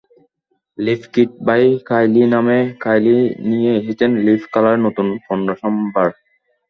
Lip kit by Kylie নামে Kylie নিয়ে এসেছেন লিপ কালারের নতুন পণ্যসম্ভার।